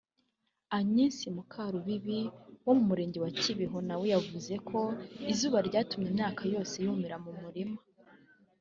Agnes Mukarubibi wo mu murenge wa Kibeho na we yavuze ko izuba ryatumye imyaka yose yumira mu murima